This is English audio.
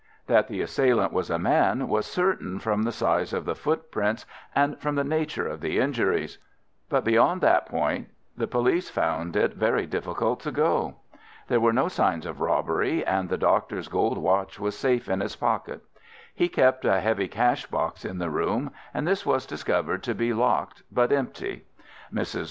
That the assailant was a man was certain, from the size of the footprints and from the nature of the injuries. But beyond that point the police found it very difficult to go. There were no signs of robbery, and the doctor's gold watch was safe in his pocket. He kept a heavy cash box in the room, and this was discovered to be locked but empty. Mrs.